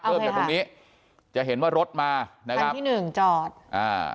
เริ่มจากตรงนี้จะเห็นว่ารถมานะครับที่หนึ่งจอดอ่า